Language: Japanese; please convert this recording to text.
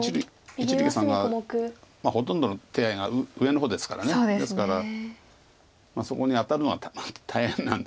一力さんがほとんどの手合が上の方ですからですからそこに当たるのは大変なんで。